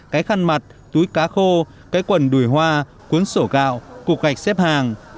cái khăn mặt túi cá khô cái quần đùi hoa cuốn sổ gạo cục gạch xếp hàng